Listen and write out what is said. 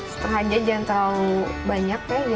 setelah aja jangan terlalu banyak ya